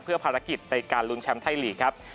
เพื่อภารกิจในการลุ้นแชมป์ไทยลีกครับ